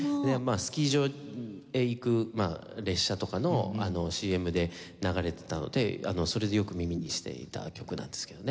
スキー場へ行く列車とかのＣＭで流れてたのでそれでよく耳にしていた曲なんですけどね。